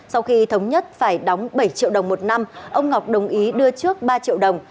sau khi thống nhất phải đóng bảy triệu đồng một năm ông ngọc đồng ý đưa trước ba triệu đồng